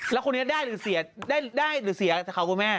แล้วคนนี้ได้หรือเสียได้หรือเสียเขาคุณแม่